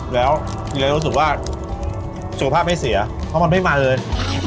แล้วเลยรู้สึกว่าสุขภาพไม่เสียเพราะมันไม่มาเลย